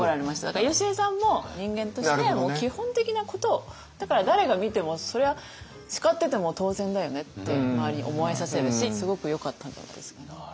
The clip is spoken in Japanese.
だからよしえさんも人間として基本的なことをだから誰が見てもそれは叱ってても当然だよねって周りに思えさせるしすごくよかったんじゃないですかね。